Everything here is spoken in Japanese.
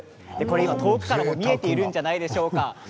遠くからも見えているんじゃないでしょうか。